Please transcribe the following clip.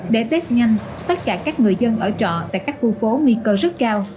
để test nhanh tất cả các người dân ở trọ tại các khu phố nguy cơ rất cao